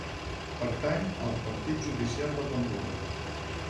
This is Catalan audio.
Pertany al partit judicial de Pamplona.